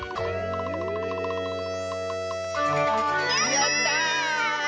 やった！